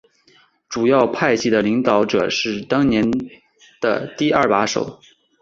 主要派系的领导者是当年的第二把手。